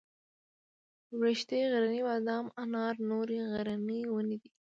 وړښتی غرنی بادام انار نورې غرنۍ ونې دي.